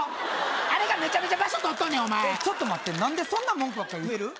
あれがメチャメチャ場所取っとんねんちょっと待って何でそんな文句ばっか言える？